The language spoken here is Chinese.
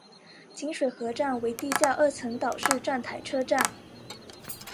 锦水河站为地下二层岛式站台车站。